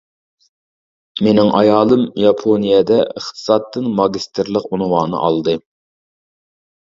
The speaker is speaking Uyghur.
مېنىڭ ئايالىم ياپونىيەدە ئىقتىسادتىن ماگىستىرلىق ئۇنۋانى ئالدى.